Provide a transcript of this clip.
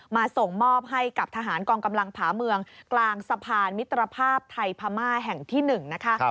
ส่งมอบให้กับทหารกองกำลังผาเมืองกลางสะพานมิตรภาพไทยพม่าแห่งที่๑นะคะ